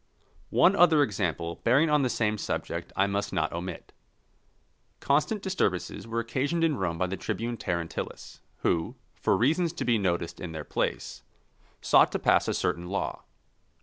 One other example bearing on the same subject I must not omit. Constant disturbances were occasioned in Rome by the tribune Terentillus, who, for reasons to be noticed in their place, sought to pass a certain law.